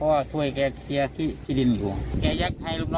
โอ้โหหาตัวไม่เจอเลยครับ